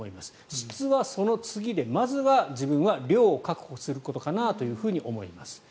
質はその次でまずは自分は量を確保することかなというふうに思います。